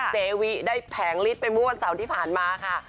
เจวิได้แผงลิดไปเมื่อวันเสาร์ที่ผ่านมาค่ะ